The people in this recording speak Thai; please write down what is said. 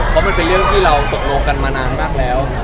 เพราะมันเป็นเรื่องที่เราตกลงกันมานานมากแล้ว